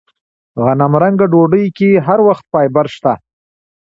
غنمرنګه ډوډۍ کې هر وخت فایبر شته.